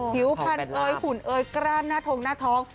ผิวพันเอยขุนเอยกราบหน้าทงหน้าท้อง